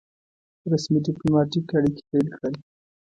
رسمي ډيپلوماټیک اړیکي پیل کړل.